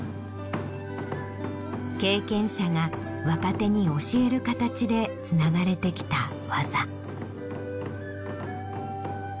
経験者が若手に教える形でつながれてきた技。